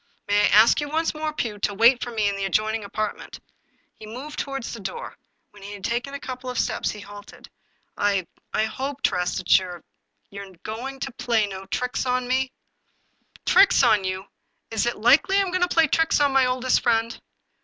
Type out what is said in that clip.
May I ask you once more, Pugh, to wait for me in the adjoining apartment? " He moved toward the door. When he had taken a couple of steps, he halted. " I — I hope, Tress, that you're — you're going to play no tricks on me ?" 255 English Mystery Stories " Tricks on you ! Is it likely that I am going to play tricks upon my oldest friend